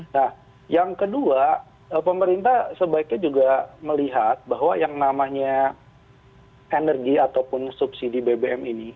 nah yang kedua pemerintah sebaiknya juga melihat bahwa yang namanya energi ataupun subsidi bbm ini